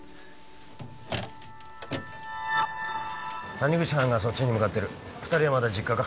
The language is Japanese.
谷口班がそっちに向かってる二人はまだ実家か？